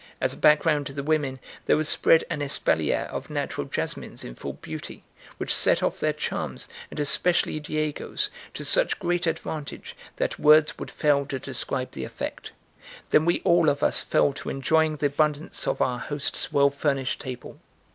As a background to the women, there was spread an espalier of natural jasmines in full beauty, which set off their charms, and especially Diego's, to such great advantage, that words would fail to describe the effect. Then we all of us fell to enjoying the abundance of our host's well furnished table.